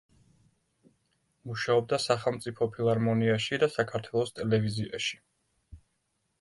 მუშაობდა სახელმწიფო ფილარმონიაში და საქართველოს ტელევიზიაში.